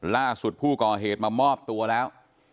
ล่าสุดผู้ก่อเหตุมามอบตัวแล้ว